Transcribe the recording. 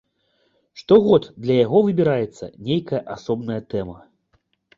Штогод для яго выбіраецца нейкая асобная тэма.